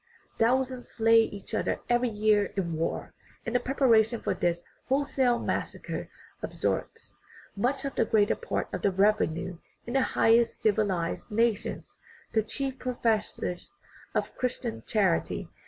Thousands slay each other every year in war, and the preparation for this wholesale massacre absorbs much the greater part of the revenue in the highest civilized nations, the chief professors of "Christian charity."